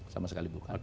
sama sekali bukan